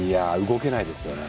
動けないですよね。